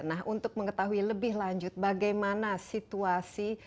nah untuk mengetahui lebih lanjut bagaimana situasi